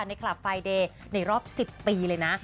คลับไฟเดย์ในรอบ๑๐ปีเลยนะ